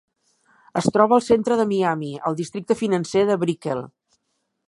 Es troba al centre de Miami, al districte financer de Brickell.